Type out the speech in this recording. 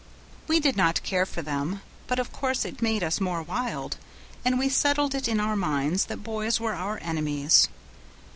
We did not care for them, but of course it made us more wild, and we settled it in our minds that boys were our enemies.